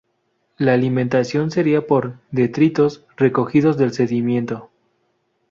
La alimentación sería por detritos recogidos del sedimento.